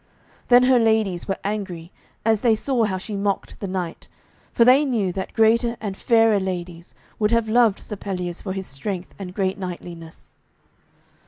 Then her ladies were angry, as they saw how she mocked the knight, for they knew that greater and fairer ladies would have loved Sir Pelleas for his strength and great knightliness.